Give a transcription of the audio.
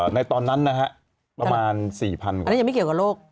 ในตอนนั้นนะฮะประมาณ๔๐๐อันนั้นยังไม่เกี่ยวกับโรค